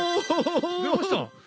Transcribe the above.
出ました！